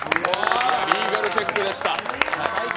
リーガルチェックでした。